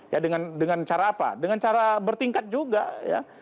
ya dengan cara apa dengan cara bertingkat juga ya